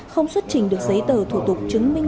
không xuất trình được giấy tờ thủ tục chứng minh